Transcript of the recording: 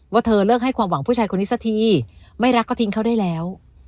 เธอเลิกให้ความหวังผู้ชายคนนี้สักทีไม่รักก็ทิ้งเขาได้แล้ว